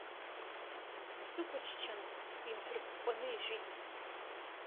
Дсыхәаччан инҭыркәкәаны ижәит.